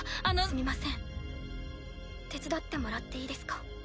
すみません手伝ってもらっていいですか？